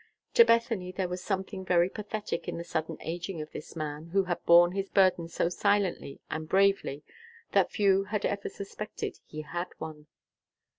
To Bethany there was something very pathetic in the sudden aging of this man, who had borne his burden so silently and bravely that few had ever suspected he had one.